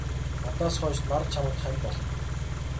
Надаас хойш нар чамд хань болно.